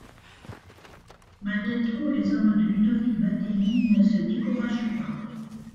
Malgré tout les hommes de Ludovic Batelli ne se découragent pas.